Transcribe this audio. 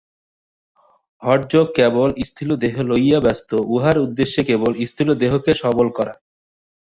হঠযোগ কেবল স্থূলদেহ লইয়াই ব্যস্ত, ইহার উদ্দেশ্য কেবল স্থূলদেহকে সবল করা।